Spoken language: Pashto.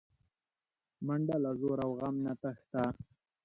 منډه له ځور او غم نه تښته